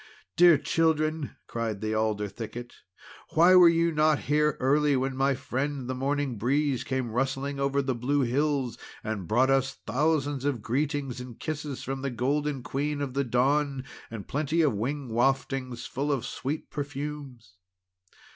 "Dear children!" cried the Alder thicket, "why were you not here early, when my friend the Morning Breeze came rustling over the blue hills, and brought us thousands of greetings and kisses from the Golden Queen of the Dawn, and plenty of wing waftings full of sweet perfumes!"